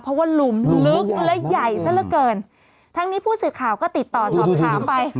เพราะว่าหลุมลึกและใหญ่ซะละเกินทั้งนี้ผู้สื่อข่าวก็ติดต่อสอบถามไป